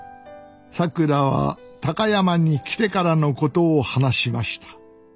さくらは高山に来てからのことを話しました。